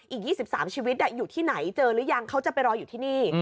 อีก๒๓ชีวิตอยู่ที่ไหนเจอหรือยังเขาจะไปรออยู่ที่นี่